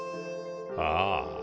ああ。